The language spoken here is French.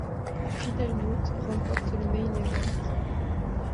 Phil Hellmuth remporte le Main Event.